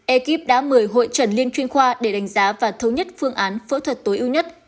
ekip đã mời hội trần liên chuyên khoa để đánh giá và thống nhất phương án phẫu thuật tối ưu nhất